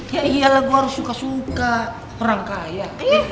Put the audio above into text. ya iyalah gue harus suka suka orang kaya